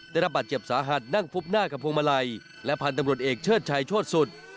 ได้รับบาดเจ็บสาหัสนั่งฟุบหน้ากับพวงมาลัยและพันธุ์ตำรวจเอกเชิดชัยโชธสุด